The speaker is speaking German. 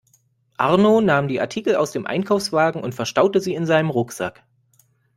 Arno nahm die Artikel aus dem Einkaufswagen und verstaute sie in seinem Rucksack.